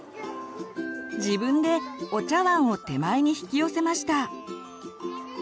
自分でお茶わんを手前に引き寄せました。